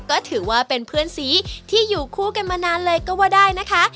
ก็ถือว่าเป็นเพื่อนสีที่อยู่คู่กันมานานเลยก็ว่าได้นะคะ